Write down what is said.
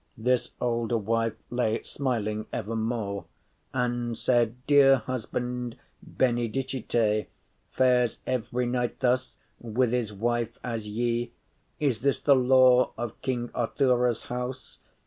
This olde wife lay smiling evermo’, And said, “Dear husband, benedicite, Fares every knight thus with his wife as ye? Is this the law of king Arthoures house?